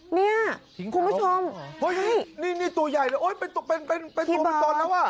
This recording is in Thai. นี่คุณผู้ชมโอ้โฮนี่ตัวใหญ่เลยเป็นตัวเป็นตอนแล้ว